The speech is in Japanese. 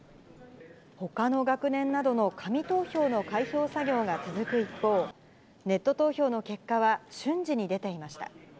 ほかの学年などの紙投票の開票作業が続く一方、ネット投票の結果は瞬時に出ていました。